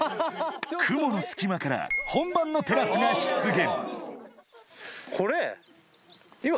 雲の隙間から本番のテラスが出現